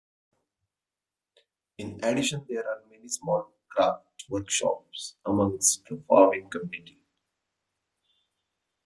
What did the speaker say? In addition, there are many small craft workshops amongst the farming community.